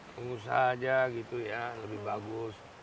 pengusaha aja gitu ya lebih bagus